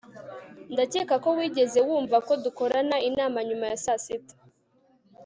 ndakeka ko wigeze wumva ko dukorana inama nyuma ya saa sita